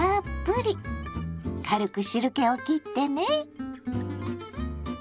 軽く汁けをきってね。